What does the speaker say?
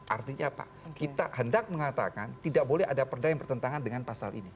artinya apa kita hendak mengatakan tidak boleh ada perda yang bertentangan dengan pasal ini